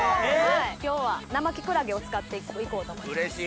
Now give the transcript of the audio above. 今日は生キクラゲを使っていこうと思います。